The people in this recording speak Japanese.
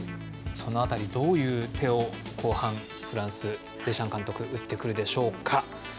その辺り、どういう手を後半、フランス、デシャン監督は打ってくるでしょうか。